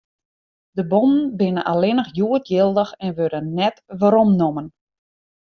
De bonnen binne allinnich hjoed jildich en wurde net weromnommen.